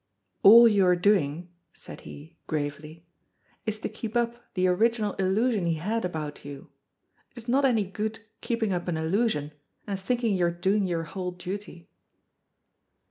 "All you are doing," said he gravely, "is to keep up the original illusion he had about you. It is not any good keeping up an illusion, and thinking you're doing your whole duty."